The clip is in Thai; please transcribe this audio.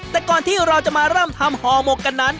แต่ก่อนที่เราจะมาเริ่มทำห่อหมกกันนั้น